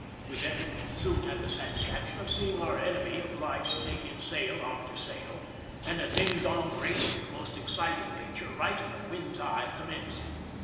We then soon had the satisfaction of seeing our enemy obliged to take in sail after sail, and a ding dong race of the most exciting nature right in the wind's eye commenced.